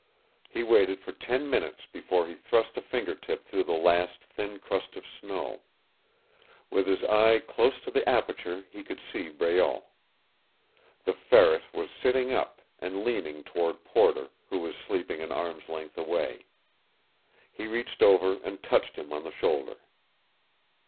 He waited for ten minutes before he thrust a finger tip through the last thin crust of snow. With his eye close to the aperture he could see Breault. The Ferret was sitting up, and leaning toward Porter, who was sleeping an arm's length away. He reached over, and touched him on the shoulder.